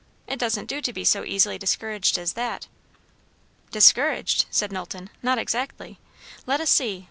It doesn't do to be so easily discouraged as that." "Discouraged?" said Knowlton. "Not exactly. Let us see.